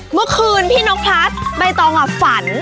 เมื่อคืนพี่นกพลัดใบตองฝัน